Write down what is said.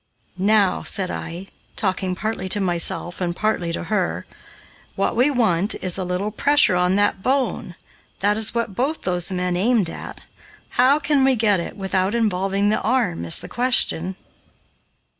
"Now," said I, talking partly to myself and partly to her, "what we want is a little pressure on that bone; that is what both those men aimed at. How can we get it without involving the arm, is the question?"